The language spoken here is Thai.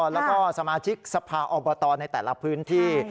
แล้วก็สมาชิกสภาอบตในแต่ละพื้นที่